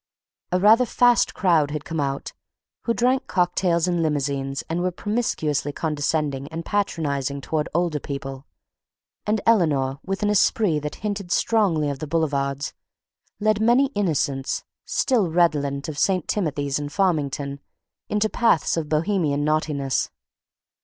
A rather fast crowd had come out, who drank cocktails in limousines and were promiscuously condescending and patronizing toward older people, and Eleanor with an esprit that hinted strongly of the boulevards, led many innocents still redolent of St. Timothy's and Farmington, into paths of Bohemian naughtiness.